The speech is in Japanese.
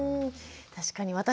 確かに。